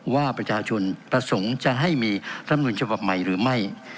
ว่าประชาชนประสงค์จะให้มีรัฐมนุนฉบับใหม่หรือไม่